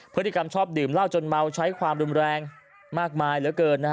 พฤติกรรมชอบดื่มเหล้าจนเมาใช้ความรุนแรงมากมายเหลือเกิน